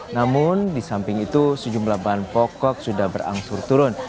namun di samping itu sejumlah bahan pokok sudah berangsur turun